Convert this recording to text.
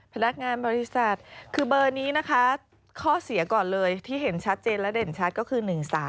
พนักงานบริษัทคือเบอร์นี้นะคะข้อเสียก่อนเลยที่เห็นชัดเจนและเด่นชัดก็คือ๑๓